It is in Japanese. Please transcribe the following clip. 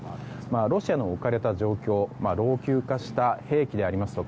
ロシアの置かれた状況老朽化した兵器ですとか